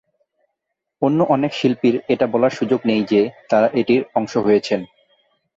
অন্য অনেক শিল্পীর এটা বলার সুযোগ নেই যে তারা এটির অংশ হয়েছেন।